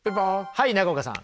はい中岡さん。